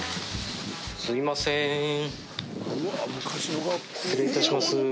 すいません失礼いたします。